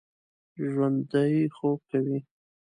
ژوندي خوب کوي